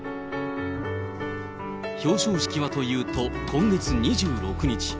表彰式はというと、今月２６日。